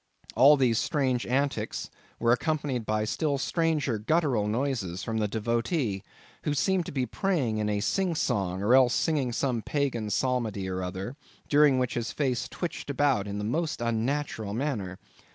All these strange antics were accompanied by still stranger guttural noises from the devotee, who seemed to be praying in a sing song or else singing some pagan psalmody or other, during which his face twitched about in the most unnatural manner.